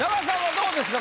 どうですか？